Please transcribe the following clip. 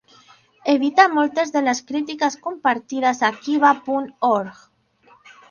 Evita moltes de les crítiques compartides a Kiva punt org.